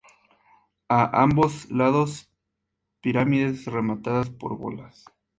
A ambos lados pirámides rematadas por bolas.